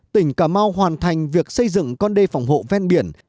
tỉnh cà mau hoàn thành việc xây dựng con đê phòng hộ ven biển